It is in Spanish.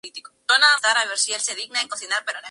Hathaway fue portada de revistas en múltiples ocasiones.